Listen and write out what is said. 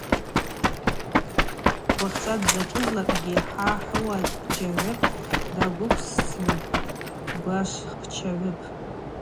Уахьчӏва дзачӏвызлакӏгьи хӏа хӏыуа джьагӏвыпӏ, дагвыквсыгӏвпӏ, дгвашвхчагӏвыпӏ.